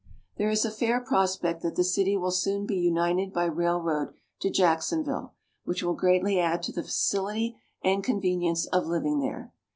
There is a fair prospect that the city will soon be united by railroad to Jacksonville, which will greatly add to the facility and convenience of living there.